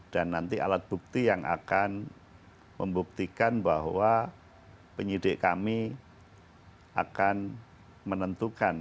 dan nanti alat bukti yang akan membuktikan bahwa penyidik kami akan menentukan